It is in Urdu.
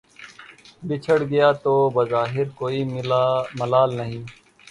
بچھڑ گیا تو بظاہر کوئی ملال نہیں